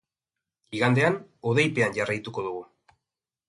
Igandean, hodeipean jarraituko dugu.